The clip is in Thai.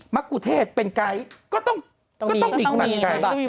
๔มักกูเทศเป็นไกด์ก็ต้องมีแบบยากกับแท็กซี่